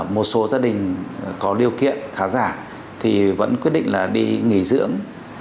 một số gia đình có điều kiện khá giả thì vẫn quyết định là đi nghỉ dưỡng